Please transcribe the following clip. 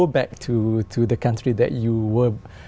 bạn đi về đến quốc gia của bạn